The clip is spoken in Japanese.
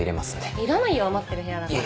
いらないよ余ってる部屋だから。